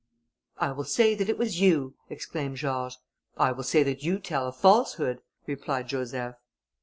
"I will say that it was you," exclaimed George. "I will say that you tell a falsehood," replied Joseph.